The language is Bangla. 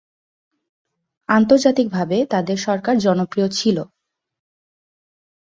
আন্তর্জাতিকভাবে, তাদের সরকার জনপ্রিয় ছিল।